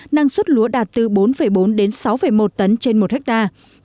năng suất lúa đạt từ bốn bốn đến sáu một tấn trên một hectare